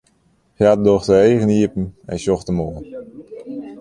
Hja docht de eagen iepen en sjocht him oan.